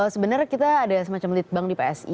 sebenarnya kita ada semacam lead bank di psi